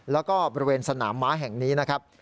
แล้วก็บริเวณสนามม้าแห่งนี้นะครับ